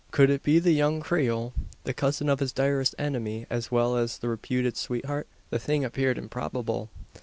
Could it be the young Creole the cousin of his direst enemy as well as his reputed sweetheart? The thing appeared improbable.